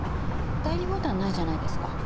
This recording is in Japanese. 第２ボタンないじゃないですか。